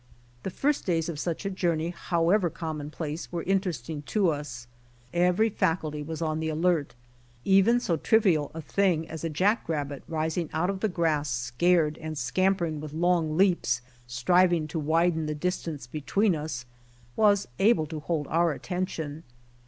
The first days of such a journey, however commonplace, were interesting to us. Every faculty was on the alert. Even so trivial a thing as a jack rabbit rising out of the grass, scared, and scampering with long leaps, vstriving to viiden the distance between us, was able to hold our attention.